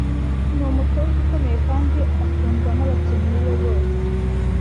Numutoza ukomeye kandi akundwa nabakinnyi be bose.